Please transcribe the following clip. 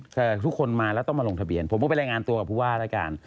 ถ้าทุกคนมาแล้วต้องมาลงทะเบียนผมก็ไปรายงานตัวกับผู้ว่าแล้วกัน